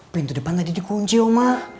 pintu depan tadi dikunci oma